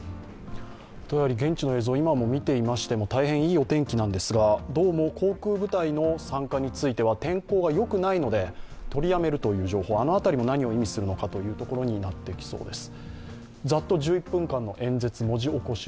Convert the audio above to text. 現地の映像、今見ていましても大変いいお天気なんですがどうも航空部隊の参加については天候がよくないので取りやめるという情報、あの辺りも何を意味するのかというところになってきそうです。